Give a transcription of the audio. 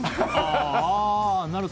ああ、なるほど。